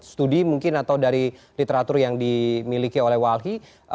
studi mungkin atau dari literatur yang dimiliki oleh walhi